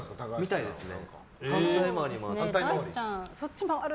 みたいですね。